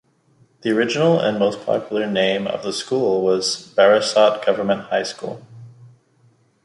The original and most popular name of the school was Barasat Government High School.